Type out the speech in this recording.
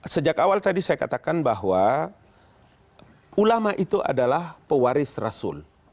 sejak awal tadi saya katakan bahwa ulama itu adalah pewaris rasul